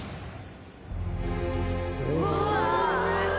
うわ！